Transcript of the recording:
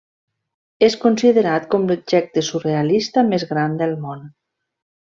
És considerat com l'objecte surrealista més gran del món.